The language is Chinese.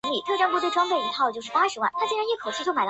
北高山大戟为大戟科大戟属的植物。